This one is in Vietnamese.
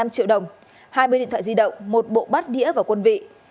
hai trăm linh năm triệu đồng hai mươi điện thoại di động một bộ bắt đĩa và quân vị